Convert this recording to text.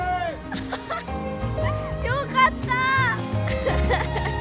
アハハッよかった！